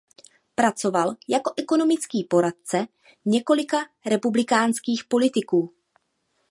Pracoval jako ekonomický poradce několika republikánských politiků.